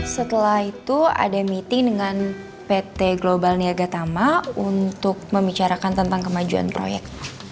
setelah itu ada meeting dengan pt global niagatama untuk membicarakan tentang kemajuan proyek